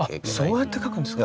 そうやって描くんですか。